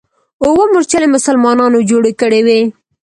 اوه مورچلې مسلمانانو جوړې کړې وې.